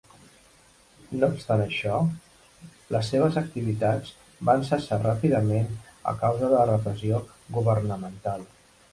No obstant això, les seves activitats van cessar ràpidament a causa de la repressió governamental.